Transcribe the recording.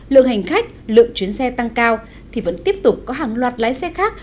lượng hành khách lượng chuyến xe tăng cao thì vẫn tiếp tục có hàng loạt lái xe khác